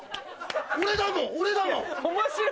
俺だもん俺だもん。